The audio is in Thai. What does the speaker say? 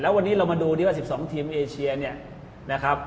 วันนี้เรามาดูที่ว่า๑๒ทีมเอเชียเนี่ยนะครับ